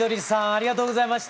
ありがとうございます。